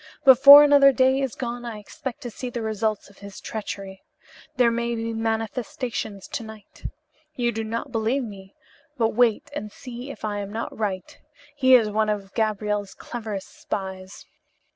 Before another day is gone I expect to see the results of his treachery. There may be manifestations to night. You do not believe me, but wait and see if I am not right. He is one of Gabriel's cleverest spies."